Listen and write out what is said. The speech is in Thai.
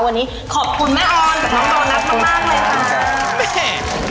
วันนี้ขอบคุณแม่ออนกับน้องโตนัสมากเลยค่ะ